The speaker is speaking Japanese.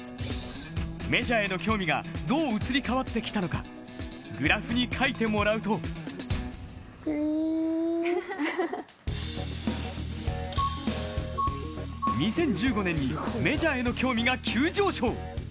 メジャーへの興味がどう移り変わってきたのかグラフに描いてもらうと２０１５年にメジャーへの興味が急上昇！